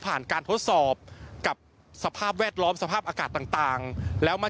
การทดสอบกับสภาพแวดล้อมสภาพอากาศต่างแล้วมา